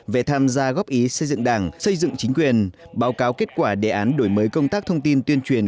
về tham gia góp ý xây dựng đảng xây dựng chính quyền báo cáo kết quả đề án đổi mới công tác thông tin tuyên truyền